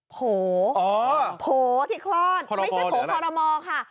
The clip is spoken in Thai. โผล่โผล่ที่คลอดไม่ใช่โผล่คอรมอค่ะ